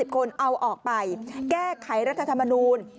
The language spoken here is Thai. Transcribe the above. คนเอาออกไปแก้ไขรัฐธรรมนูล